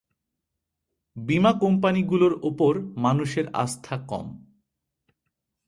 বিমা কোম্পানিগুলোর ওপর মানুষের আস্থা কম।